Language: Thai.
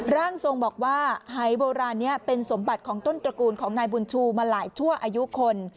ร่างทรงบอกว่าหายโบราณนี้เป็นสมบัติของต้นตระกูลของนายบุญชูมาหลายชั่วอายุคน